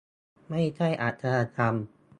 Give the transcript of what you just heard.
ไม่ใช่อาชญากรรม